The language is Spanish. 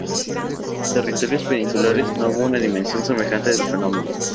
En los territorios peninsulares no hubo una dimensión semejante del fenómeno.